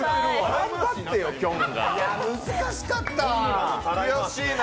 いや、難しかった。